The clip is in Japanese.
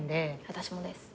私もです。